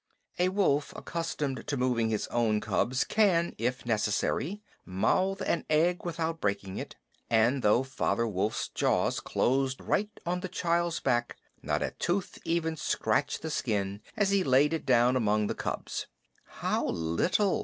A Wolf accustomed to moving his own cubs can, if necessary, mouth an egg without breaking it, and though Father Wolf's jaws closed right on the child's back not a tooth even scratched the skin as he laid it down among the cubs. "How little!